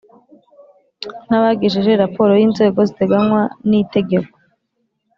n abagejeje raporo y Inzego ziteganywa n Itegeko